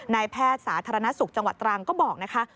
แพทย์สาธารณสุขจังหวัดตรังก็บอกนะคะ